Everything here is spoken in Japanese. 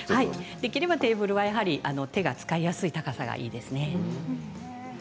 できればテーブルは手が使いやすい高さがいいですね。